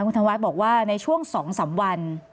คุณธวัฒน์บอกว่าในช่วง๒๓วัน